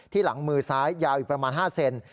หลังมือซ้ายยาวอีกประมาณ๕เซน